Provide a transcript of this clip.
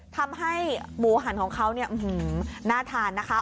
ทำให้หมูหันของเขาเนี่ยน่าทานนะคะ